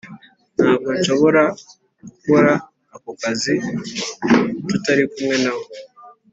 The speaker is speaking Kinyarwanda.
ntabwo nshobora gukora aka kazi tutari kumwe nawe.